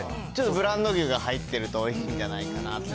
ブランド牛が入ってるとおいしいんじゃないかなと。